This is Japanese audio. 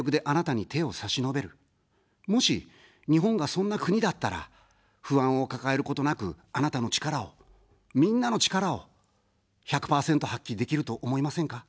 もし、日本がそんな国だったら、不安を抱えることなく、あなたの力を、みんなの力を１００％発揮できると思いませんか。